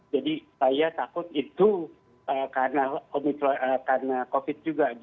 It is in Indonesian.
jadi saya takut itu karena covid juga